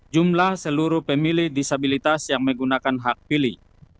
jumlah seluruh pemilih disabilitas yang menggunakan hak pilih